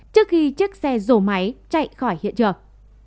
trước khi chiếc xe rổ máy chạy khỏi hiện trường